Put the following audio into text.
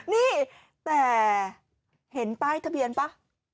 นี่แต่เห็นป้ายทะเบียนป่ะ